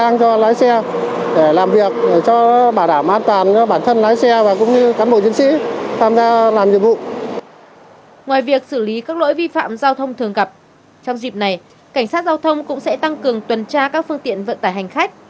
ngoài việc xử lý các lỗi vi phạm giao thông thường gặp trong dịp này cảnh sát giao thông cũng sẽ tăng cường tuần tra các phương tiện vận tải hành khách